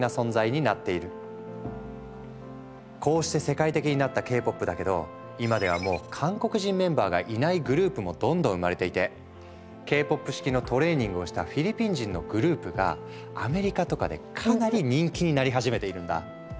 こうして世界的になったＫ−ＰＯＰだけど今ではもう韓国人メンバーがいないグループもどんどん生まれていてＫ−ＰＯＰ式のトレーニングをしたフィリピン人のグループがアメリカとかでかなり人気になり始めているんだ。